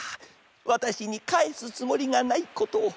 わたしにかえすつもりがないことを。